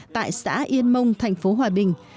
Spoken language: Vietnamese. tại xã yên mông thành phố hòa bình